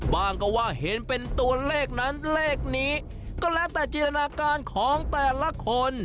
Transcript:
ว่าก็ว่าเห็นเป็นตัวเลขนั้นเลขนี้ก็แล้วแต่จินตนาการของแต่ละคน